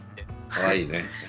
かわいいね。